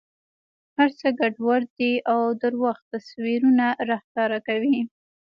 هر څه ګډوډ دي او درواغ تصویرونه را ښکاره کوي.